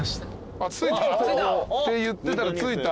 あっ着いた？って言ってたら着いた。